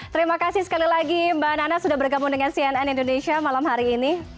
terima kasih sekali lagi mbak nana sudah bergabung dengan cnn indonesia malam hari ini